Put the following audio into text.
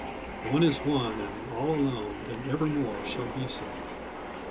One is one and all alone And ever more shall be so.